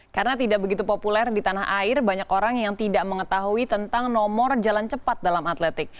karena tidak begitu populer di tanah air banyak orang yang tidak mengetahui tentang nomor jalan cepat dalam atletik